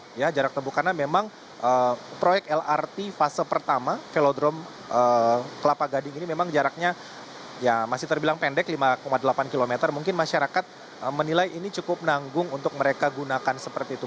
karena memang proyek lrt fase pertama velodrome kelapa gading ini memang jaraknya masih terbilang pendek lima delapan km mungkin masyarakat menilai ini cukup nanggung untuk mereka gunakan seperti itu